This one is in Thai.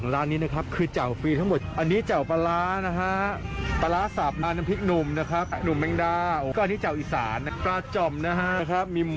ใต้ไก่นะคะเจอปลาร้าสับแบบนี้